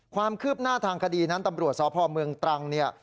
ความคืบหน้าทางคดีนั้นตำรวจสพเมืองตรังเนี่ย